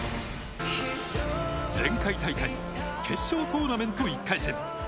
前回大会決勝トーナメント１回戦。